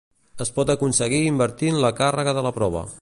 Es pot aconseguir invertint la càrrega de la prova.